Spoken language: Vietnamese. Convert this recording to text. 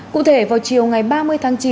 cụ thể vào chiều ngày ba mươi tháng chín